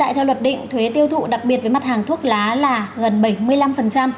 hiện tại theo luật định thuê tiêu thụ đặc biệt với mặt hàng thuốc lá là gần bảy mươi năm